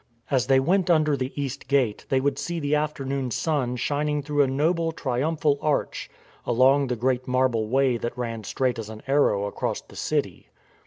As they went under the east gate they would see the after noon sun shining through a noble triumphal arch along the great marble way that ran straight as an arrow across the city.